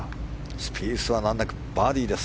スピースは難なくバーディーです。